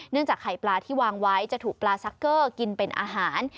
จากไข่ปลาที่วางไว้จะถูกปลาซักเกอร์กินเป็นอาหาร